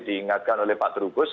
diingatkan oleh pak terugus